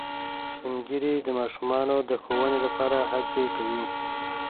سپین ږیری د ماشومانو د ښوونې لپاره هڅې کوي